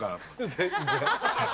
全然。